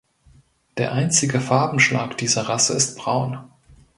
Der einzige Farbenschlag dieser Rasse ist Braun.